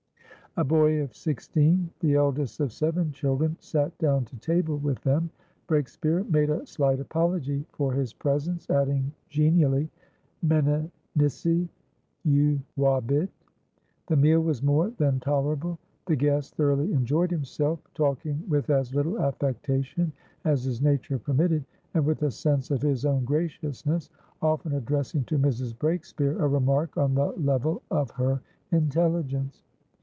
A boy of sixteen, the eldest of seven children, sat down to table with them. Breakspeare made a slight apology for his presence, adding genially: "Meminisse juvabit." The meal was more than tolerable; the guest thoroughly enjoyed himself, talking with as little affectation as his nature permitted, and, with a sense of his own graciousness, often addressing to Mrs. Breakspeare a remark on the level of her intelligence.